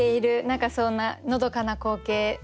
何かそんなのどかな光景だなと。